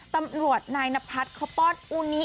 ตำรวจนายนพัฒน์เขาป้อนอูนิ